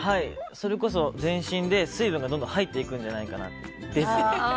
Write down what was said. それこそ、全身で水分がどんどん入っていくんじゃないかと。